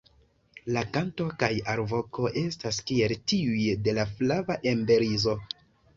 La kanto kaj alvoko estas kiel tiuj de la Flava emberizo.